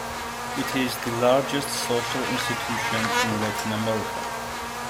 It is the largest social institution in Latin America.